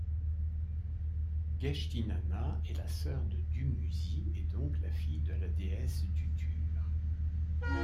Geshtinanna est la sœur de Dumuzi et, donc, la fille de la déesse Duttur.